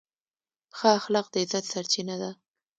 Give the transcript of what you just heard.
ښه اخلاق د عزت سرچینه ده.